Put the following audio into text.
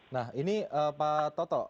nah ini pak toto